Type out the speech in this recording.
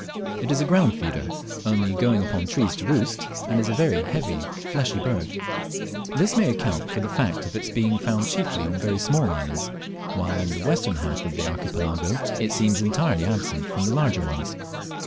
It is a ground feeder, only going upon trees to roost, and is a very heavy fleshy bird. This may account far the fact of its being found chiefly on very small islands, while in the western half of the Archipelago, it seems entirely absent from the larger ones.